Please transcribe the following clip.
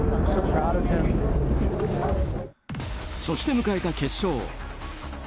そして迎えた決勝。